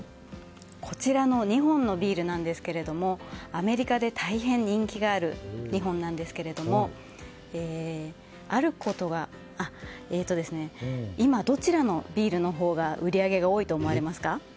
こちらの２本のビールなんですがアメリカで大変人気がある２本なんですけども今、どちらのビールのほうが売り上げが多いと思いますか？